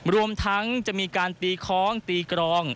รวมทั้งจะมีการตีคล้องตีกรอง